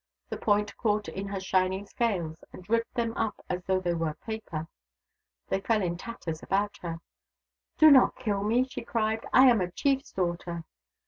The point caught in her shining scales, and ripped them up as though they were paper. They fell in tatters about her. " Do not kill me !" she cried. " I am a chief's daughter